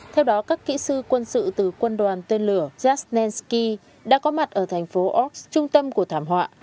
theo đó các kỹ sư quân sự từ quân đoàn tên lửa jasnensky đã có mặt ở thành phố oks trung tâm của thảm họa